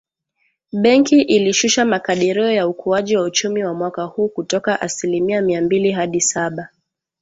Benki ilishusha makadirio ya ukuaji wa uchumi wa mwaka huu kutoka asili mia mbili hadi saba.